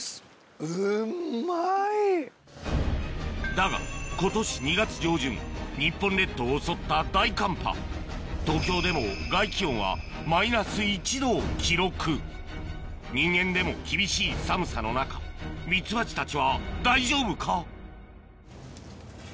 だが今年２月上旬東京でも外気温はマイナス１℃を記録人間でも厳しい寒さの中ミツバチたちは大丈夫か？